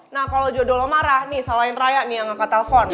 nah kalau jodoh lo marah nih salahin raya nih yang angkat handphone lo